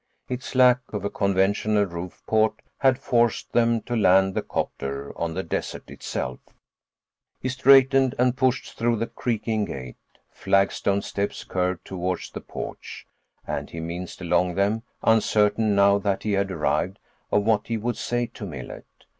Its lack of a conventional roofport had forced them to land the 'copter on the desert itself. He straightened and pushed through the creaking gate. Flagstone steps curved toward the porch, and he minced along them, uncertain, now that he had arrived, of what he would say to Millet.